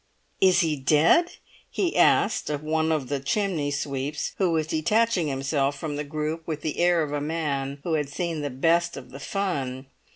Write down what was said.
"Is he dead?" he asked of one of the chimneysweeps, who was detaching himself from the group with the air of a man who had seen the best of the fun.